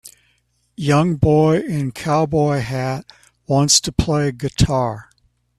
Young boy in cowboy hat wants to play guitar.